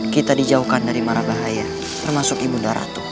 kita dijauhkan dari mara bahaya termasuk ibu naratu